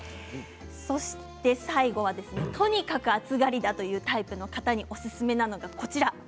そして最後はとにかく暑がりだというタイプの方におすすめなのがこちら。